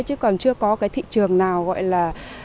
chứ còn chưa có cái thị trường nào gọi là